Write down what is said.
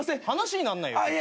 話になんないよ。